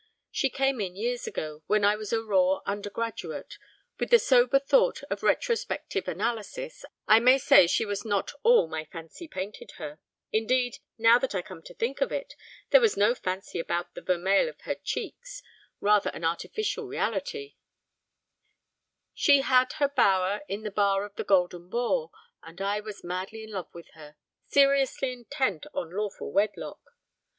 She came in years ago, when I was a raw undergraduate. With the sober thought of retrospective analysis, I may say she was not all my fancy painted her; indeed now that I come to think of it there was no fancy about the vermeil of her cheeks, rather an artificial reality; she had her bower in the bar of the Golden Boar, and I was madly in love with her, seriously intent on lawful wedlock.